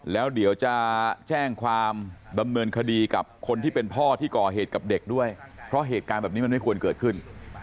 แล้วเดี๋ยวจะแจ้งความดำเนินคดีกับคนที่เป็นพ่อที่ก่อเหตุกับเด็กด้วยเพราะเหตุการณ์แบบนี้มันไม่ควรเกิดขึ้น